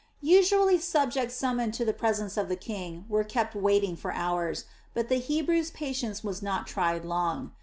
Usually subjects summoned to the presence of the king were kept waiting for hours, but the Hebrew's patience was not tried long.